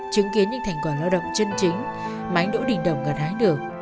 chứng kiến những thành quả lao động chân chính mà anh đỗ đình đồng gật hái được